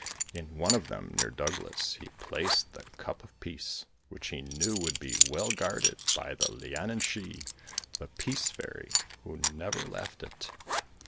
In one of them, near Douglas, he placed the Cup of Peace, which he knew would be well guarded by the Lhiannan Shee, the Peace Fairy who never left it.